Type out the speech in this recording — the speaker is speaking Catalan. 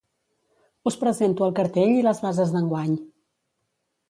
Us presento el cartell i les bases d'enguany.